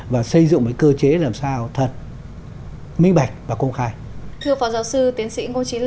và xây dựng cái cơ chế làm sao thật minh bạch và công khai